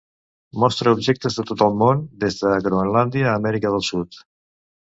Mostra objectes de tot el món, des de Groenlàndia a Amèrica del Sud.